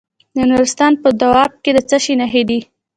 د نورستان په دو اب کې د څه شي نښې دي؟